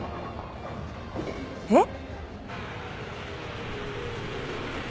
えっ？